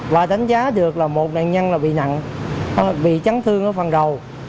và đánh giá được là một nạn nhân bị nặng bị trắng thương ở phần đầu